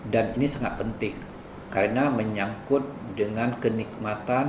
dan ini sangat penting karena menyangkut dengan kenikmatan